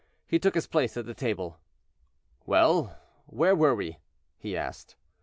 He took his place at the table. "Well, where are we?" asked he.